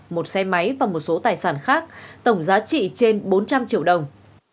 một xe máy và một số tài sản khác tổng giá trị trên bốn trăm linh triệu đồng